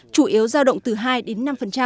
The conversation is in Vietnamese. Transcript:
chủ yếu giao động từ hai đến năm